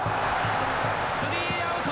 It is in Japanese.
スリーアウト！